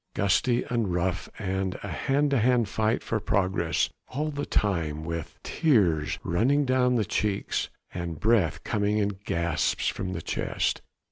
gusty and rough and a hand to hand fight for progress all the time, with tears running down the cheeks, and breath coming in gasps from the chest!